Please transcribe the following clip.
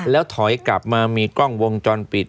แล้วถอยกลับมามีกล้องวงจรปิด